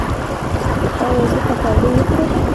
ایا زه پکوړې وخورم؟